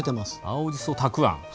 青じそたくあん。